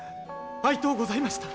会いとうございました！